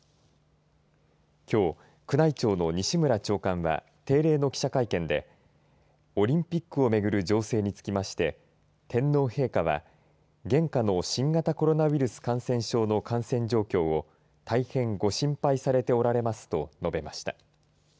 きょう、宮内庁の西村長官は定例の記者会見でオリンピックをめぐる情勢につきまして天皇陛下は現下の新型コロナウイルス感染症の感染状況を大変ご心配されておられますと述べました。